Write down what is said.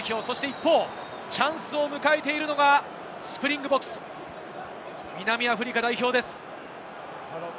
一方、チャンスを迎えているのがスプリングボクス、南アフリカ代表です。